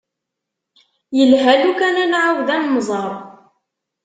Yelha lukan ad nεawed ad nemẓer.